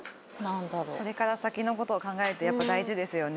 これから先のことを考えるとやっぱ大事ですよね。